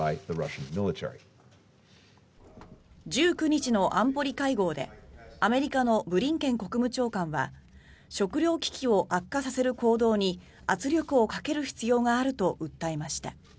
１９日の安保理会合でアメリカのブリンケン国務長官は食糧危機を悪化させる行動に圧力をかける必要があると訴えました。